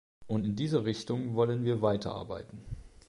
Und in dieser Richtung wollen wir weiter arbeiten.